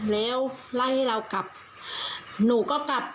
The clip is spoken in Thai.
แล้วไล่ให้เรากลับหนูก็กลับ